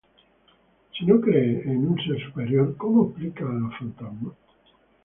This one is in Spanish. Si no crees en un ser superior, ¿cómo explicas a los fantasmas?